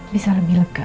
bisa lebih lega